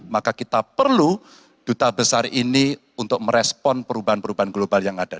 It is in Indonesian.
maka kita perlu duta besar ini untuk merespon perubahan perubahan global yang ada